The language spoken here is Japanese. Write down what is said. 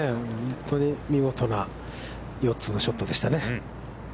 本当に見事な４つのショットでしたね。